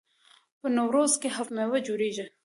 په نوروز کې هفت میوه جوړیږي.